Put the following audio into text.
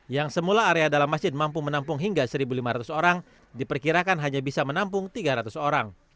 yang semula area dalam masjid mampu menampung hingga satu lima ratus orang diperkirakan hanya bisa menampung tiga ratus orang